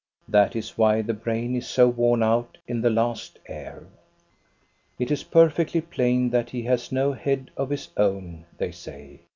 That is why the brain is so worn out in the last heir. It is perfectly plain that he has no head of his own," they say.